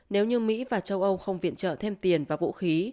nếu như mỹ và châu âu không viện trợ thêm tiền và vũ khí